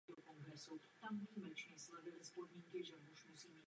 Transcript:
Letošní rok je rovněž Evropským rokem rovných příležitostí.